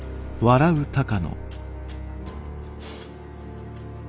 フッ。